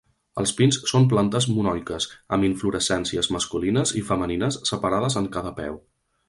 Els pins són plantes monoiques, amb inflorescències masculines i femenines separades en cada peu.